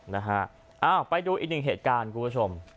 นะฮะอ้าวไปดูอีกหนึ่งเหตุการณ์คุณผู้ชม